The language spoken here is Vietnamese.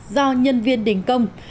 do nhân viên đình công